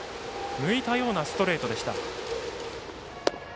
抜いたようなストレートでした。